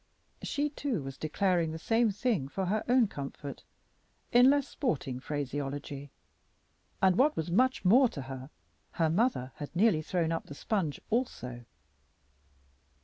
She, too, was declaring the same thing for her own comfort in less sporting phraseology, and, what was much more to her, her mother had nearly thrown up the sponge also.